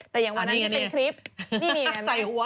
แต่อย่างวันนั้นที่เป็นคลิป